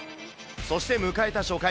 そして迎えた初回。